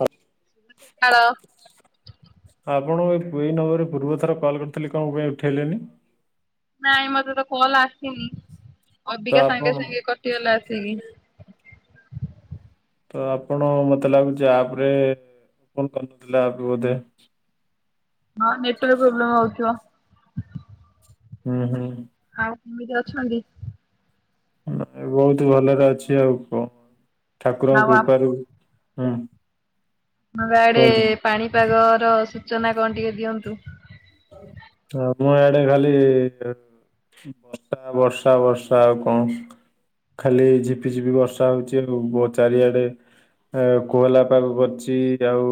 ହଉ [unintelligible] ହାଲୋ ଆପଣ ଏ, ଏଇ ନବରରେ ପୂର୍ବ ଥର କଲ୍ କରିଥିଲି କଣ ପାଇଁ ଉଠେଇଲେନି? ନାଇଁ ମତେ ତ କଲ ଆସିନି, ତ ଅବିକା ସାଙ୍ଗେ ଆପଣ ସାଙ୍ଗେ କଟିଗଲା ଆସି ସେଇ ତ ଆପଣ ମତେ ଲାଗୁଛି ଆପରେ, ଫୋନ କରିନଥିଲେ ଆପ ବୋଧେ ହଁ, ନେଟୱର୍କ ପ୍ରୋବ୍ଲେମ୍ ଆଉଥିବ । ହୁଁ ହୁଁ । ଆଉ, କେମିତି ଅଛନ୍ତି? ନ ବହୁତ ଭଲରେ ଅଛି ଆଉ କଣ, ଆଉ ଠାକୁରଙ୍କ ଆ କୃପାରୁ ହଁ। ହ [unintelligible] ଗାଡେ ପାଣିପାଗ ର ସୂଚନା କଣ ଟିକେ ଦିଅନ୍ତୁ? ଆମ ଆଡେ ଖାଲି ବର୍ଷା, ବର୍ଷା, ବର୍ଷା ଆଉ କଣ? ଖାଲି ଝିପି ଝିପି ବର୍ଷା ହଉଛି ଆଉ ଚାରିଆଡେ ଏ କୋହଲା ପାଗ କରିଛି, ଆଉ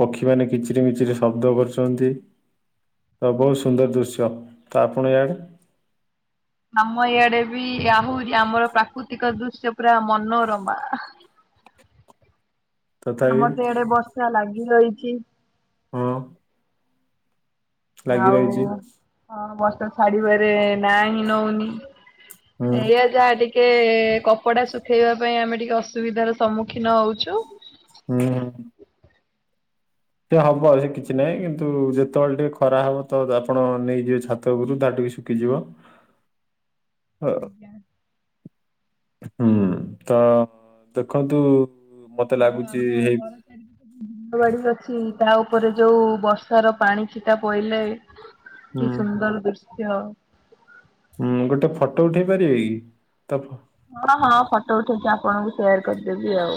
ପକ୍ଷୀମାନେ କିଚିରି ମିଚିରି ଶବ୍ଦ କରୁଛନ୍ତି। ତ ବହୁତ ସୁନ୍ଦର ଦୃଶ୍ୟ, ତ ଆପଣ ଇଆଡେ? ଆମ ଇଆଡେ ବି ଆହୁରି ଆମର ପ୍ରାକୃତିକ ଦୃଶ୍ୟ ପୁରା ମନୋରମା। [inaudible] ତଥାପି ଆମର ତ ଇଆଡେ ବର୍ଷା ଲାଗି ରହିଛି। ହଁ ଲାଗି ଆଉ ରହିଛି ହଁ ବର୍ଷା ଛାଡିବାରେ ନାଁ ହିଁ ନଉନି। ହୁଁ ଏଇଆ ଯାହା ଟି ଟିକେ କପଡା ଶୁଖେଇବା ପାଇଁ ଆମେ ଟିକେ ଅସୁବିଧାର ସମ୍ମୁଖୀନ ହଉଛୁ। ହୁଁ ହୁଁ। ସେ ହବ ଅ, ସେ କିଛି ନାହିଁ କିନ୍ତୁ ଯେତେବେଳେ ଟିକେ ଖରା ହବ ତ ଆପଣ ନେଇଯିବେ ଛାତ ଉପରୁ ତାତି ଶୁଖିଯିବ। ଅ ଆଜ୍ଞା। ହୁଁ ତ ଦେଖନ୍ତୁ ମତେ ହଁ ଲାଗୁଛି ଆମ ହେଇ ଘର ଚାରିପଟେ ବିଲବାଡି ଅଛି। ତା ଉପରେ ଯୋଉ ବର୍ଷାର ପାଣି ଛିଟା ପଇଲେ ହୁଁ କି ସୁନ୍ଦର ଦୁର୍ଶ ଇହ। ହୁଁ ଗୋଟେ ଫଟ ଉଠେଇ ପାରିବେ କି ତ ଫ ହଁ ହଁ ଫଟ ଉଠଉଚି ଆପଣଙ୍କୁ ସେୟାର କରିଦେବି ଆଉ।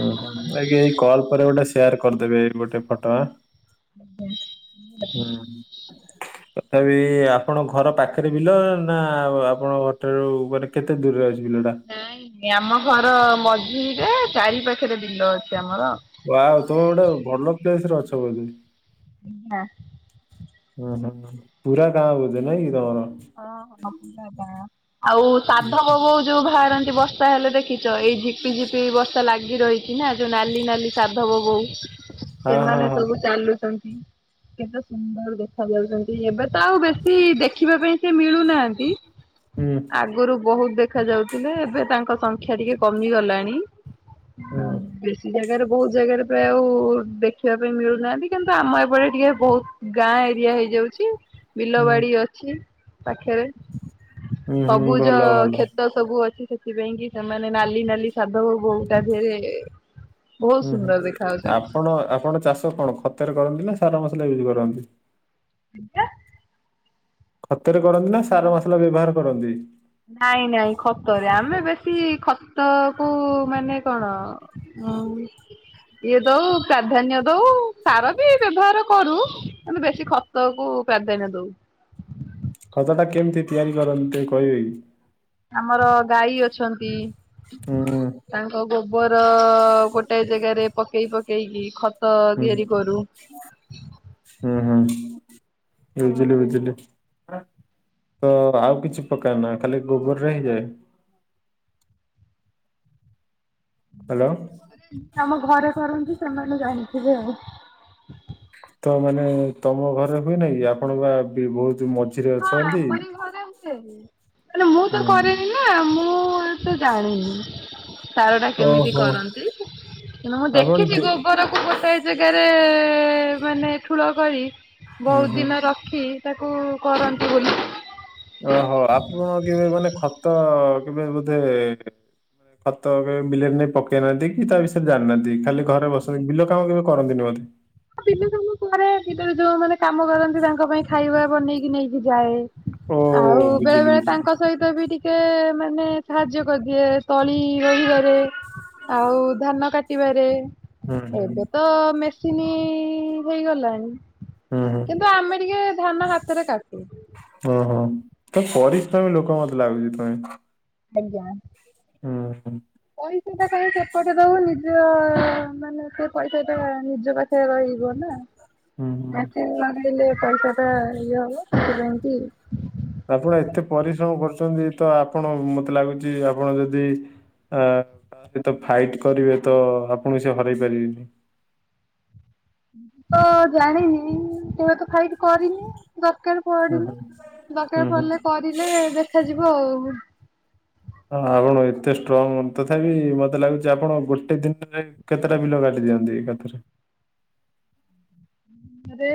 ଓହୋ ନାଁ କି ଏଇ କଲ୍ ପରେ ଗୋଟେ ସେୟାର୍ କରିଦେବେ ଏଇ ଗୋଟେ ଫଟ ଆଁ। ହୁଁ। ତଥାପି ଆପଣ ଘର ପାଖରେ ବିଲ ନାଁ ଆପଣଙ୍କ ଘର ଠାରୁ ମାନେ କେତେ ଦୂରରେ ଅ ନାଇଁ ନାଇ ଆମ ଘର ମଝିରେ ଚାରି ପାଖେରେ ବିଲ ଅଛି ଆମର। ୱାଓ ତୁମେ ଗୋଟେ ଭଲ ପ୍ଲେସ୍ ରେ ଅଛ ବୋଧେ। ନାଁ। ଉଁ ହୁଁ ହୁଁ ପୁରା ଗାଁ ବୋଧେ ନାଇଁ କି ତମର। ହଁ ହଁ ପୁରା ଗାଁ। ଆଉ ସାଧବ ବୋଉ ଯୋଉ ଭାରନ୍ତି ବର୍ଷା ହେଲେ ଦେଖିଚ ଏଇ ଝିପି ଝିପି ବର୍ଷା ଲାଗି ରହି ଇନ୍ହା ଯୋଉ ନାଲି ନାଲି ସାଧବ ବୋଉ ହଁ ହଁ ସେମାନେ ହଁ ସବୁ ଚାଲୁଚ କେତେ ସୁନ୍ଦର ଦେଖା ଯାଉଚନ୍ତି ଏବେ ତ ଆଉ ବେଶୀ ଦେଖିବା ପା ତି ମିଳୁନାହାନ୍ତି ହୁଁ ଆଗୁରୁ ବହୁ ଦେଖା ଯାଉଥୁଲେ ଏବେ ତାଙ୍କ ସଂଖ୍ୟା ଟିକେ କମି ଗଲାଣି ହୁଁ ଆ ବେଶୀ ଜାଗାରେ ବୋହୁ ଜାଗାରେ ପ୍ରାୟ ଆଉ ଦେଖିବା ପାଇଁ ମିଳୁନାହାନ୍ତି କିନ୍ତୁ ଆମ ଏପଟେ ଟିକେ ବୋହୁତ ଗାଁ ଏରିଆ ହେଇ ଯାଉଚି ବିଲ ହୁଁ ବାଡ଼ି ଅଛି ପାଖେରେ। ହୁଁ ହୁଁ ସବୁଜ ଭଲ ଭଲ। କ୍ଷେତ ସବୁ ଅଛି ସେ ଥିପାଇଁ କି ସେମାନେ ନାଲି ନାଲି ସାଧବ ବୋଉ ତା ଧିଅରେ ହୁଁ ହୁଁ ଆପଣ ଆପଣ ଚାଷ କଣ ଖତରେ କରନ୍ତି ନାଁ ସାରା ମସଲା ୟୁଜ୍ କରନ୍ତି? ହେଟା ଖତରେ କରନ୍ତି ନାଁ ସାର ମସଲା ବ୍ୟବହାର କରନ୍ତି? ନାଇଁ ନାଇଁ ଖତରେ ଆମେ ବେଶୀ ଖତକୁ ମାନେ କଣ ହଉ। ଇଏ ଦଉ ପ୍ରାଧାନ୍ୟ ଦଉ ସାର ବି ବ୍ୟବହାର କରୁ ଆନ୍ତୁ ବେଶୀ ଖତକୁ ପ୍ରାଧାନ୍ୟ ଦଉ। ଖତଟା କେମତି ତିଆରି କରନ୍ତି ଟିକେ କହିବେ କି? ଆମର ଗାଈ ଅଛନ୍ତି। ହୁଁ ତାଙ୍କ ଗୋବର ଗୋଟେ ଜେଗାରେ ପକେଇ ପକେଇକି ଖ ତ ହୁଁ ତିଆରି କରୁ। ହୁଁ ହୁଁ ବୁଝିଲି ବଝିଲି। ତ ଆଉ କିଛି ପକାଅ ନା ଖାଲି ଗୋବରରେ ହେଇଯାଏ? ହାଲୋ। ଆରେ ଆମ ଘରେ କରନ୍ତି ସେମାନେ ଜାଣିଥିବେ ଆଉ। ତ ମାନେ ତମ ଘରେ ହୁଏ ନାଇଁ କି ଆପଣ ପା ବି ବୋହୁ ହଁ ଆମରି ଘରେ ହୁଏ ହେଲେ ମୁଁ ତ ହୁଁ କରେନି ନାଁ ମୁଁ ତ ଜାଣିନି ସାରଟା କେମିତି ଓହୋ କରନ୍ତି। କିନ୍ତୁ ମୁଁ ଆପଣ ଦେଖିଚି ଦେ ଗୋବରକୁ ଗୋଟେ ଜେଗାରେ ଏ ମାନେ ଠୁଳ କରି ହୁଁ ବହୁତ ହୁଁ ଦିନ ରଖି ତାକୁ କରନ୍ତି ବୋଲି। ଓହୋ ଆପଣ କେବେ ମାନେ ଖତ କେବେ ବୋଧେ ମାନେ ଖତ କେବେ ବିଲେରେ ନେଇ ପକେଇନାହାନ୍ତି କି ତା ବିଷୟରେ ଜାଣିନାହାନ୍ତି ଖାଲି ଘରେ ବସନ୍ତି ବିଲ କାମ କେବେ କରନ୍ତିନି ବୋଧେ? ହଁ ବିଲ କାମ କରେ ବିଲରେ ଯୋଉମାନେ କାମ କରନ୍ତି ତାଙ୍କ ପାଇଁ ଖାଇବା ବନେଇକି ନେଇକି ଯାଏ । ଓ ଆଉ ବେଳେ ବୁଝିଲି ବେଳେ ବୁଝିଲି ତାଙ୍କ ସହିତ ବି ଟିକେ ମାନେ ସାହାଯ୍ୟ କରିଦିଏ ତଳି ରୋହିବାରେ ଆଉ ଧାନ କା ଟିବାରେ ହୁଁ ହୁଁ ଏବେ ତ ମେସିନି ହେଇଗଲାଣି। ହୁଁ ହୁଁ କିନ୍ତୁ ଆମେ ଟିକେ ଧାନ ହାତରେ କାଟୁ। ଓହୋ। ତ ପରିଶ୍ରମୀ ଲୋକ ମତେ ଲାଗୁଚି ତମେ। ଆଜ୍ଞା । ହୁଁ ହଁ । ଇ ସେଟା କ ସେପଟେ ରହୁ ନିଜ ମାନେ ସେ ପଇସାଟା ନିଜ ପାଖରେ ରହିବ ନା ହୁଁ ହୁଁ। । ଚାକିରି ନ କଲେ ପଇସାଟା ଇଏ ହବତି [unintelligible] ଆପଣ ଏତେ ପରିଶ୍ରମ କରୁଚନ୍ତି ତ ଆପଣ ମତେ ଲାଗୁଚି ଆପଣ ଯଦି ଆ ତ ଫାଇଟ କରିବେ ତ ଆପଣ ସେ ହରାଇ ପାରିବେନି । ମୁ ତ ଜାଣିନି କେବେ ତ ଫାଇଟ୍ କରିନି । ଦରକାର ହୁଁ ପଡିଲେ ହୁଁ ହୁଁ ଦରକାର ହୁଁ। ପଡିଲେ କରିଲେ ଦେଖାଯିବ ଆଉ । ହଁ ଆପଣ ଏତେ ଷ୍ଟ୍ରଙ୍ଗ ତଥାପି ମତେ ଲାଗୁଚି ଆପଣ ଗୋଟେ ଦିନରେ କେତେଟା ବିଲ କାଟିଲେ? ଦିଅନ୍ତି ଏକା ଥରକେ ଆରେ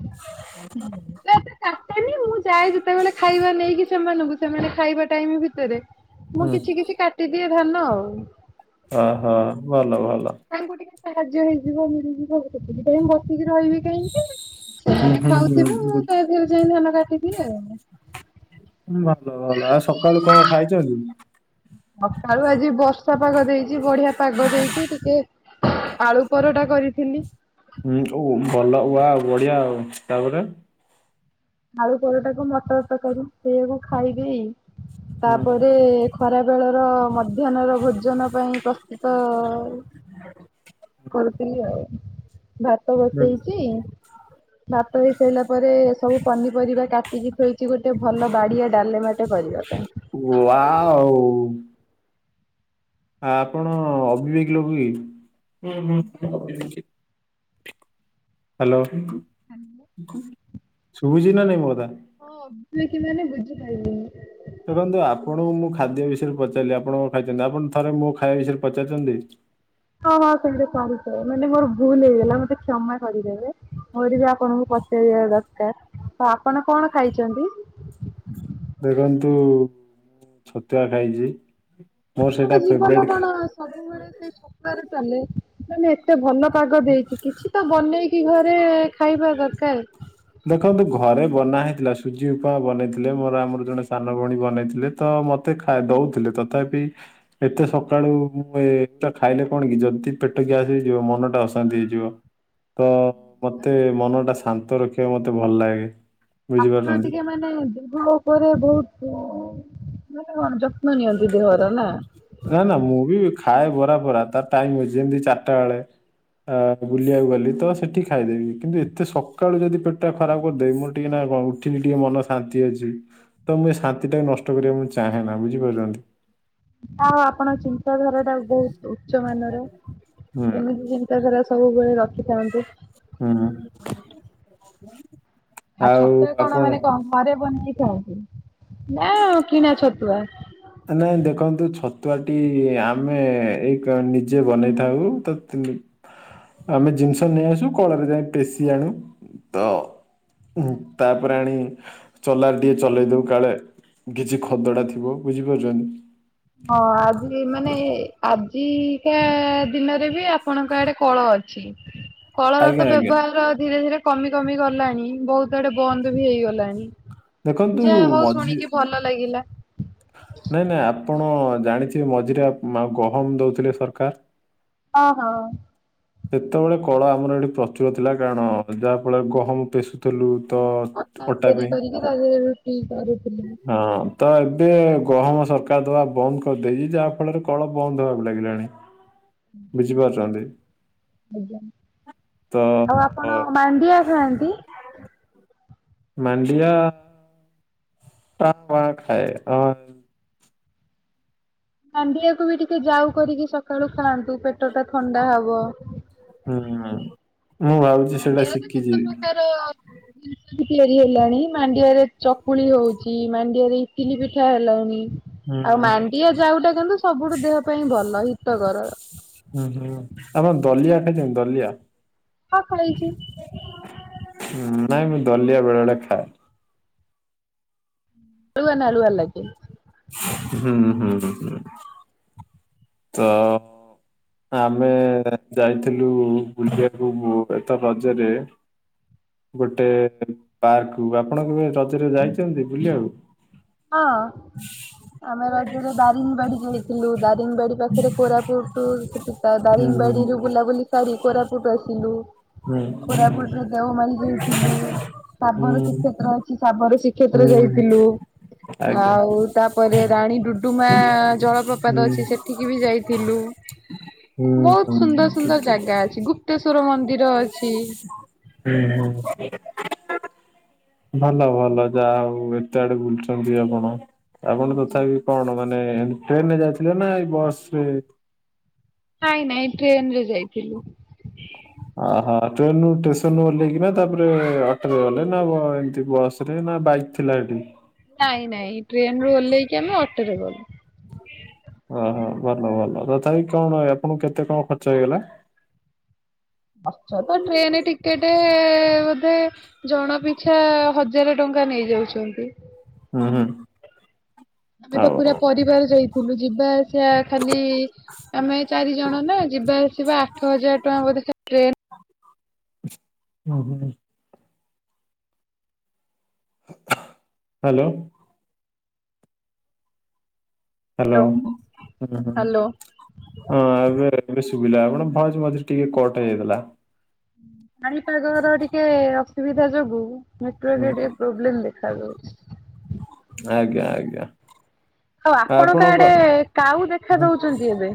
ମୁଁ ତ ଏତେ କାଟେନି ମୁଁ ଚାଏ ଯେତେବେଳେ ଖାଇବା ନେଇକି ସେମାନଙ୍କୁ ସେମାନେ ଖାଇବା ଟାଇମ ଭିତରେ ମୁଁ ହୁଁ କିଛି କିଛି କାଟି ଏ ଧାନ ଆଉ । ହ ହଁ ଭଲ ଭଲ । ତାଙ୍କୁ ଟିକେ ସାହାଯ୍ୟ ହେଇଯିବ ମିଳିଯିବ ସେଥିପାଇଁ କହିକି ବସିକି ରହିବି କାହିଁକି? ସେ ହୁଁ ହୁଁ ହୁଁ ଖାଉଥିବେ ମୁଁ ବୁଝି ତାରେ ଯାଇ ଧାନ କାଟି ଭଲ ଭଲ ଆଉ ସକାଳୁ କଣ ଖାଇଚନ୍ତି? ସକାଳୁ ଆଜି ବର୍ଷା ପାଗ ଦେଇଚି ବଢିଆ ପାଗ ଦେଇଚି ଟିକେ ଆଳୁ ପରଟା କରିଥିଲି । ହୁଁ ଓ ଭଲ ଆ ୱାଊ ବଢିଆ ଆଉ ତାପରେ ଆଳୁ ପରଟାକୁ ମଟର ତରକାରୀ ସେଇଆକୁ ଖାଇ ଦେଇି [inaudible] ତାପରେ ଖରା ବେଳର ମଧ୍ୟାହ୍ନ ର ଭୋଜନ ପାଇଁ ପ୍ରସ୍ତୁତ [inaudible] କରିଥିଲି ଆଉ । ଭାତ ବସେଇଚି ଭାତ ବସେଇଲା ପରେ ସବୁ ପନିପରିବା କାଟିକି ଥୋଇଚ କିଛି ଗୋଟେ ଭଲ ବାଡିଆ ଡାଲେମାଟେ କରିବା ପାଇଁ । ୱାଓ ଆପଣ ଅବିବେକି ଲୋକ କି? ହାଲୋ ଶୁଭୁଚି ନା ନାଇଁ ମୋକଥା? ହଁ, ଅବିବେକୀ ମାନେ ବୁଝିପାରିଲିନି। ଦେଖନ୍ତୁ ଆପଣଙ୍କୁ ମୁଁ ଖାଦ୍ୟ ବିଷୟରେ ପଚାରିଲି ଆପଣ କଣ ଖାଇଚନ୍ତି? ଆପଣ ଥରେ ମୋ ଖାଇବା ବିଷୟରେ ପଚାରିଚନ୍ତି? ହଁ, ହଁ ସେଇଟ କରିଥାଏ ମାନେ ମୋର ଭୁଲ ହେଇଗଲା ମତେ କ୍ଷମା କରିଦେବେ ମୋର ବି ଆପଣଙ୍କୁ ପଚାରିବା ଦରକାର ତ ଆପଣ କଣ ଖାଇଚନ୍ତି? ଦେଖନ୍ତୁ ମୁଁ ଛତୁଆ ଖାଇଚି। ଆପଣଙ୍କ ଜୀବନ କଣ ସବୁବେଳେ ସେଇ ଛତୁଆରେ ଚାଲେ ମାନେ ଏତେ ଭଲ ପାଗ ଦେଇଚି କିଛି ତ ବନେଇକି ଘରେ ଖାଇବା ଦରକାର। ଦେଖନ୍ତୁ ଘରେ ବନା ହେ ସୁଜି ଉପମା ବନେଇଥିଲେ, ମୋର ଆମର ଜଣେ ସାନ ଭଉଣୀ ବନେଇଥିଲେ, ତ ମୋତେ ଖାଇ ଦଉଥିଲେ ତଥାପି ଏତେ ସକାଳୁ ମୁଁ ଏ ଖାଇଲେ କଣ କି ଯଦି ପେଟ ଗ୍ୟାସ୍ ହେଇଯିବ ମନ ଟା ଅଶାନ୍ତି ହେଇଯିବ ତ ମତେ ମନ ଟା ଶାନ୍ତ ରଖିବାକୁ ମତେ ଭଲ ଲାଗେ। ଆପଣ ବୁଝିପାରୁଛନ୍ତି ଟିକେ ମାନେ ଦେହ ଉପରେ ବହୁତ ମାନେ କଣ ଯତ୍ ନା, ନା ମୁଁ ବି ଖାଏ ବ ରା ଫରା ତା ଟାଇମ ଅଛି ଯେମିତି ଚାରିଟା ବେଳେ। ଆ ବୁଲିବାକୁ ଗଲି ତ ସେଠି ଖାଇଦେବି କିନ୍ତୁ ଏତେ ସକାଳୁ ଯଦି ପେଟ ଟା ଖରାପ କରିଦେବି ମୋର ଟିକେ ନା କଣ ଉଠିଲି ଟିକେ ମନ ଶାନ୍ତି ଅଛି ତ ମୁଁ ଏ ଶାନ୍ତି ଟାକୁ ନଷ୍ଟ କରିବାକୁ ମୁଁ ଚାହେଁନା ବି ବୁଝିପାରୁଚନ୍ତି? ଆଉ ଆପଣ ଚି ଚିତାଧାରା ଟା ବହୁତ ଉଚ୍ଚ ମାନର ହୁଁ ଏମିତି ଚିନ୍ତାଧାରା ସବୁବେଳେ ରଖ ହୁଁ। ଆଉ ଛତୁଆ କଣ ମାନେ କଣ ଘରେ ବନେଇ [unintelligible] ନା କିଣା ଛତୁଆ ଏ ନାଇଁ ଦେଖନ୍ତୁ ଛତୁଆଟି ଆମେ ଏଇ କ ନିଜେ ବନେଇଥାଉ ତ ନିପ ଆମେ ଜିନିଷ ନେଇ ଆସୁ କଳରେ ଯାଇ ପେଶି ଆଣୁ ତ ତାପରେ ଆଣି ଚଲାରେ ଟିକେ ଚଲେଇ ଦଉ କାଳେ କିଛି ଖଦଡ଼ା ଥିବ। ବୁଝିପାରୁଚନ୍ତି ହଁ ଆଜି ମାନେ ଆ ହି କା ଦିନରେ ବି ଆପଣଙ୍କ ଆଡେ କଳ ଅଛି। କଳର ଆଜ୍ଞା ତ ଆଜ୍ଞା ବ୍ୟବହାର ଧୀରେ ଧୀରେ କମି କମି ଗଲାଣି ବହୁତ ଆଡେ ବନ୍ଦ ବି ହେଇଗଲାଣି। ଦେଖନ୍ତୁ ଯାହା ହଉ ମଝି ଶୁଣିକି ଭଲ ଲାଗିଲା। ନାଇଁ ନାଇଁ ଆପଣ ଜାଣିଥିବେ ମଝିରେ ମା ଗହମ ଦଉଥିଲେ ସରକାର ଅହ। ସେତେବେଳେ କଳ ଆମର ଏଠି ପ୍ରଚୁର ଥିଲା କାରଣ ଯାହାଫଳରେ ଗହମ ପେଷୁଥିଲୁ। ତ ଅଟା ତିଆରି ପାଇଁ କରିକି ତା ଦେହରେ ରୁଟି କରୁଥିଲି ହଁ ତ ଏବ ଏବେ ଗହମ ସରକାର ଦବା ବନ୍ଦ କରିଦେଇଚି ଯାହା ଫଳରେ କଳ ବନ୍ଦ ହବାକୁ ଲାଗିଲାଣି। ବୁଝି ପାରୁଚନ୍ତି। ଆଜ୍ଞା ଆଉ ଆପଣ ମାଣ୍ଡିଆ ଖାଆନ୍ତି ମାଣ୍ଡିଆ ଟା ଆ ଖାଏ ଆ ମାଣ୍ଡିଆକୁ ବି ଟିକେ ଯାଉ କରିକି ସକାଳୁ ଖାଆ ତୁ ପେଟ ଟା ଥଣ୍ଡା ହବ। ହୁଁ ମୁଁ ଭାବୁଛି ସେଇଟା ମାଣ୍ଡିଆ ତ କେତେ ଶିଖିଯିବି ପ୍ରକାର ତି ତିଆରି ହେଲାଣି ମାଣ୍ଡିଆରେ ଚକୁଳି ହଉଚି, ମାଣ୍ଡିଆ ରେ ଇଟିଲି ପିଠା ହେଲାଣି। ହୁଁ ଆଉ ମାଣ୍ଡିଆ ଯାଉଟା କିନ୍ତୁ ସବୁଠୁ ଦେହ ପାଇଁ ଭଲ ହିତକର। ହୁଁ ହୁଁ ଆପଣ ଦଲିଆ ଖାଇଚନ୍ତି ଦଲିଆ ହଁ ଖାଇଛି। ହୁଁ, ନାଇଁ ମୁଁ ଦଲିଆ ବେଳେ ବେଳେ ଖାଏ। ନାଳୁଆ ନାଳୁଆ ଲାଗେ। ହୁଁ ହୁଁ ହୁଁ। ତ ଆମେ ଯାଇଥିଲୁ ବୁଲିବାକୁ ଏଥ ରଜରେ ଗୋଟେ ପାର୍କକୁ ଆପଣ କେବେ ରଜରେ ଯାଇଚନ୍ତି ବୁଲିବାକୁ? ହଁ। ଆମେ ରଜରେ ଦାରିଙ୍ଗବାଡି ଯାଇଥିଲୁ ଦାରିଙ୍ଗବାଡି ପାଖରେ କୋରାପୁୁଟ ସେଠୀ ତା ଦାରିଆ ଦାରିଙ୍ଗବାଡ଼ିରି ରୁ ବୁଲା ବୁଲି ସାରୀ କୋରାପୁଟ ଆସିଲୁ। କୋରାପୁଟରେ ଦେଓମାଳୀ ଯାଇଥିଲୁ ଶାବରତୀ କ୍ଷେତ୍ର ଅଛି ସାବ କ୍ଷେତ୍ର ଯାଇଥିଲୁ। ଆଜ୍ଞା। ଆଉ ତାପରେ ରାଣୀ ଡୁଡୁମା ଜଳପ୍ରପାତ ଅଛି ସେଠିକି ବି ଯାଇଥିଲୁ। ଡୁ ବହୁତ ସୁନ୍ଦର ସୁନ୍ଦର ଜାଗା ଅଛି ଗୁପ୍ତେଶ୍ଵର ମନ୍ଦିର ଅଛି। ଉଁ ହୁଁ। ଭଲ ଭଲ ଯାହା ହଉ ଏତେ ଆଡେ ବୁଲୁଚନ୍ତି ଆପଣ। ଆପଣ ତଥାପି କଣ ମାନେ ଟ୍ରେନ ରେ ଯାଇଥିଲେ ନା ଏଇ ବସ ରେ ନାଇଁ ନାଇଁ ଟ୍ରେନ ରେ ଯାଇଥିଲୁ। ଟ୍ରେନ ରୁ ଷ୍ଟେସନୁ ଓହ୍ଲେଇକିନା ତାପରେ ଅଟୋରେ ଗଲେ ନା ଏମିତି ବସରେ ନା ବାଇକ ଥିଲା ହେଟି ନାଇଁ ନାଇଁ ଟ୍ରେନ ରୁ ଓହ୍ଲେଇକି ଆମେ ଅଟୋରେ ଗଲୁ। ଓହୋ ଭଲ ଭଲ ତଥାପି କଣ ଆପଣଙ୍କୁ କେତେ କଣ ଖର୍ଚ୍ଚ ହେଇଗଲା? ଖର୍ଚ୍ଚ ତ ଟ୍ରେନ ଟିକେଟେ ଏ ଜଣ ପିଛା ହଜାର ଟଙ୍କା ନେଇଯାଉଚନ୍ତି। ହୁଁ ହୁଁ। ଆମେ ତ ଆଉ ପୁରା ପରିବାର ଯାଇଥିଲୁ ଯିବା ଆସିବା ଖାଲି ଆମେ ଚାରି ଜଣ ନା ଯିବା ଆସିବା ଆଠ ହଜାର ଟଙ୍କା ବୋଧେ ସେ ଟ୍ରେନ। ଓ ହୋ। ହାଲୋ। ହାଲୋ ହ୍ୟାଲୋ ହୁଁ ହଁ ହ୍ୟାଲୋ। ଆଜ୍ଞା ଇଂଗିଲିସ ଶୁଭିଲା ଆପଣଙ୍କ ଭଏସ ମଝିରେ ଟିକେ କଟ ହେଇଯାଇଥିଲା। ପାଣିପାଗ ର ଟିକେ ଅସୁବିଧା ଯୋଗୁ ହୁଁ ନେଟୱାର୍କର ଟିକେ ପ୍ରୋବ୍ଲେମ୍ ଦେଖାଯାଉ ଆଜ୍ଞା ଆଜ୍ଞା। ହଁ ଆପଣଙ୍କ ଆଡେ କାଉ ଦେଖା ହୁଁ ଦଉଛନ୍ତି ଏବେ?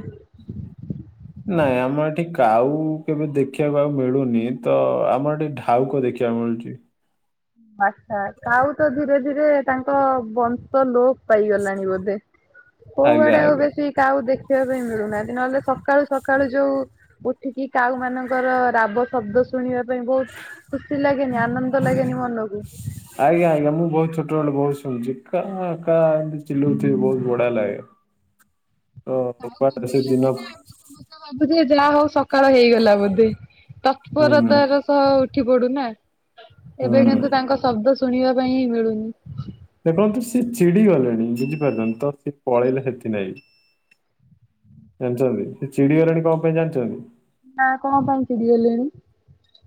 ନାଇଁ ଆମର ଏଠି କାଉ କେବେ ଦେଖିବାକୁ ଆଉ ମିଳୁନି। ତ ଆମର ଏଠି ଢାଉକ ଦେଖିବାକୁ ମିଳୁ ହଉଚି। ଆଛା କାଉ ତ ଧୀରେ ଧୀରେ ତାଙ୍କ ବଂଶ ଲୋପ ପାଇଗଲାଣି ବୋଧେ? ଆଜ୍ଞା କୋଉଆଡେ ଆଉ ଆଜ୍ଞା ବେଶୀ କାଉ ଦେଖା ଦେଖିବା ପାଇଁ ମିଳୁନାହାନ୍ତି। ନହେଲେ ସକାଳୁ ସକାଳୁ ଯୋଉ ଉଠିକି କାଉ ମାନଙ୍କର ରାବ ଶବ୍ଦ ଶୁଣିବା ବହୁତ ଖୁସି ଲାଗେନି ଆନନ୍ଦ ଲାଗେନି ମନକୁ। ଆଜ୍ଞା ଆଜ୍ଞା ମୁଁ ବହୁତ ଛୋଟ ବେଳ ବହୁତ ଶୁଣୁଛି କା କା ଏମତି ଚିଲଉଥିବେ। ବହୁତ ବଢିଆ ଲାଗେ। ତ କାଉ କୁଆଡେ ସେ ବୋବଇଲା ଦିନ ମାନେ ଆମ ସମସ୍ତେ ଭାବୁ ଯାହା ହଉ ସକାଳ ହେଇଗଲା ବୋଧେ? ହୁଁ ତତ୍ପରତାର ସହ ଉଠି ପଡୁନା। ଏବେ ହୁଁ। କିନ୍ତୁ ତାଙ୍କ ଶବ୍ଦ ଶୁଣିବା ପାଇଁ ହିଁ ମିଳୁନି। ଦେଖନ୍ତୁ ସିଏ ଚିଡି ଗଲେଣି। ବୁଝିପାରୁଚନ୍ତି ସିଏ ପଳେଇଲେ ହେଥି ନାକି। ଜାଣିଛନ୍ତି ସେ ଚିଡିଗଲାଣି କଣ ପାଇଁ ଜାଣିଚନ୍ତି। ନା କଣ ପାଇଁ ଚିଡିଗଲେଣି।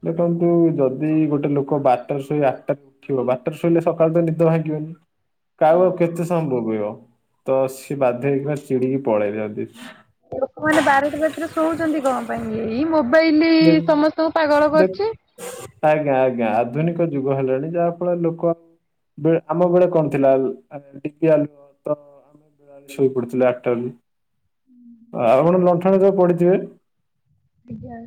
ଦେଖନ୍ତୁ ଯଦି ଗୋଟେ ଲୋକ ବାରଟାରେ ଶୋଇ ଆଠଟାରେ ଉଠିବ। ବାରଟାରେ ଶୋଇଲେ ସକାଳୁ ତ ନିଦ ଭାଙ୍ଗିବନି। କାଉ ଆଉ କେତେ ସମୟ ବୋବେଇବ। ତ ସିଏ ବାଧ୍ୟ ହେଇକିନା ଚିଡିକି ପଳେଇଚନ୍ତି। ଲୋକମାନେ ବାରଟି ରାତିରେ ଶୋଉଚନ୍ତି କଣ ପାଇଁ। ଏଇ ମୋ ମୋବାଇଲ ଦେଖ ସମସ୍ତଙ୍କୁ ପାଗଳ ଦେଖ କରିଚି। ଆଜ୍ଞା ଆଜ୍ଞା ଆଧୁନିକ ଯୁଗ ହେଲାଣି ଯାହା ଫଳରେ ଲୋକ ଆମ ବେଳେ କଣ ଥିଲା ଡିବି ଆଲୁଅ ତ ଆମେ ଶୋଇ ପଡିଥିଲେ ଆଠଟାରୁ ଆଉ ଆପଣ ଲଣ୍ଠଣରେ ପଢିଥିବେ। ଆଜ୍ଞା।